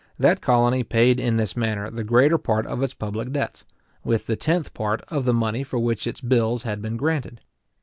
} that colony paid in this manner the greater part of its public debts, with the tenth part of the money for which its bills had been granted.